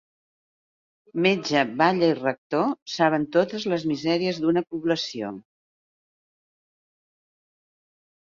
Metge, batlle i rector saben totes les misèries d'una població.